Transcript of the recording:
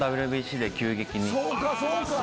そうかそうか。